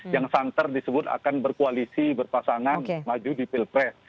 yang santer disebut akan berkoalisi berpasangan maju di pilpres